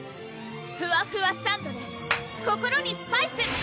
ふわふわサンドｄｅ心にスパイス！